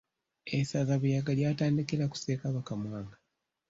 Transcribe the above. Essaza Buyaga lyatandikira ku Ssekabaka Mwanga